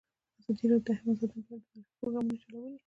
ازادي راډیو د حیوان ساتنه په اړه د معارفې پروګرامونه چلولي.